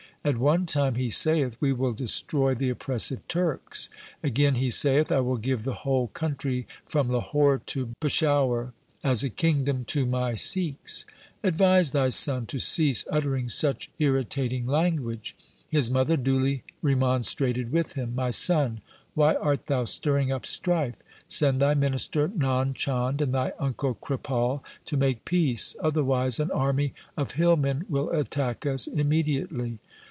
At one time he saith, " We will destroy the oppressive Turks." Again he saith, " I will give the whole country from Lahore to Peshawar as a kingdom to my THE SIKH RELIGION Sikhs." Advise thy son to cease uttering such irritating language.' His mother duly remon strated with him :' My son, why art thou stirring up strife ? Send thy minister Nand Chand and thy uncle Kripal to make peace, otherwise an army of hillmen will attack us immediately.